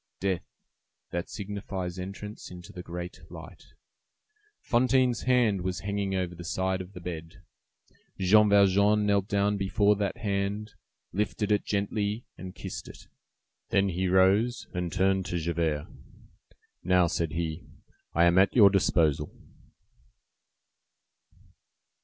Death, that signifies entrance into the great light. Fantine's hand was hanging over the side of the bed. Jean Valjean knelt down before that hand, lifted it gently, and kissed it. Then he rose, and turned to Javert. "Now," said he, "I am at your disposal."